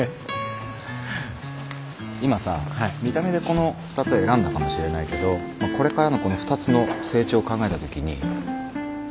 今さ見た目でこの２つは選んだかもしれないけどこれからのこの２つの成長を考えた時にバランスどう？